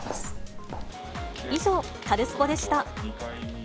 以上、カルスポっ！でした。